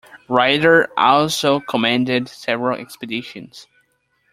Ryder also commanded several expeditions.